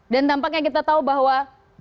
dan tampaknya kita tahu bahwa